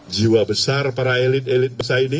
jiwa besar para elit elit